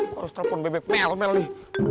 harus telepon bebek pl mel nih